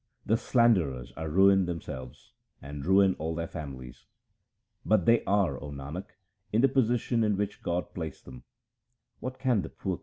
The slanderers are ruined themselves and ruin all their families ; But they are, O Nanak, in the position in which God placed them ; what can the poor creatures do